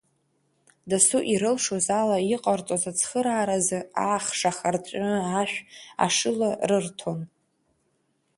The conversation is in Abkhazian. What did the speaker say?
Дасу ирылшоз ала иҟарҵоз ацхырааразы ахш, ахарҵәы, ашә, ашыла рырҭон.